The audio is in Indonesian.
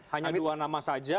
hanya dua nama saja